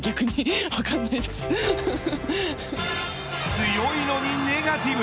強いのにネガティブ。